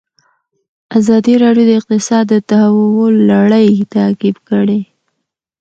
ازادي راډیو د اقتصاد د تحول لړۍ تعقیب کړې.